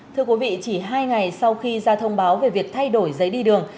thưa quý vị chỉ hai ngày sau khi ra thông báo về việc thay đổi giấy đi đường